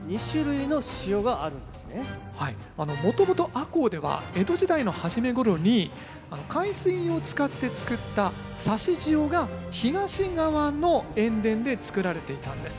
はいもともと赤穂では江戸時代の初めごろに海水を使って作った差塩が東側の塩田で作られていたんです。